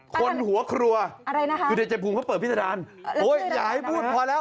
คนหัวครัวอยู่ดีเจภูมิเพราะเปิดพิสดารโอ๊ยอย่าให้พูดพอแล้ว